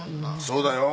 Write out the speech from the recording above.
そうだ。